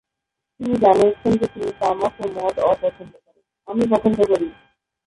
তিনি জানিয়েছেন যে তিনি তামাক ও মদ অপছন্দ করেন।